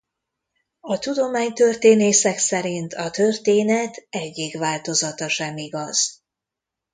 A tudománytörténészek szerint a történet egyik változata sem igaz.